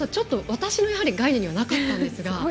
私の概念にはなかったんですが。